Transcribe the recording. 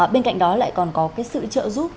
bên cạnh đó lại còn có cái sự trợ giúp